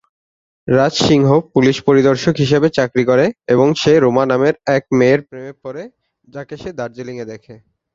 রাজ Singh police পরিদর্শক হিসেবে চাকরি করে এবং সে রোমা নামের এক মেয়ের প্রেমে পড়ে যাকে সে দার্জিলিং-এ দেখে।